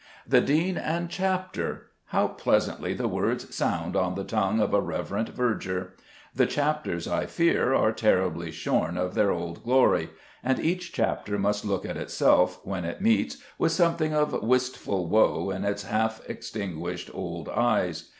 The dean and chapter! How pleasantly the words sound on the tongue of a reverent verger! The chapters, I fear, are terribly shorn of their old glory, and each chapter must look at itself, when it meets, with something of wistful woe in its half extinguished old eyes.